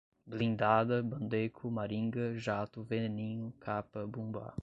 blindada, bandeco, maringa, jato, veneninho, capa, bumbá